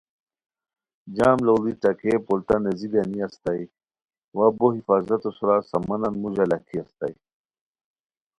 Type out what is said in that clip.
جم لوڑی ݯاکئے پولتا نیزی گانی استائے وا بو حفاظتو سورا سامانن موژہ لاکھی استائے